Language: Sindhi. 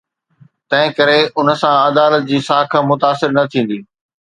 تنهن ڪري ان سان عدالت جي ساک متاثر نه ٿيندي.